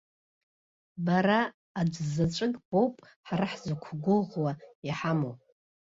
Бара аӡәзаҵәык боуп ҳара ҳзықәгәыӷуа иҳамоу.